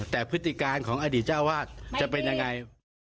แต่พฤติการของอดีตเจ้าวาดจะเป็นยังไง